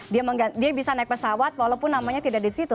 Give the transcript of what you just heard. dia bisa naik pesawat walaupun namanya tidak disitu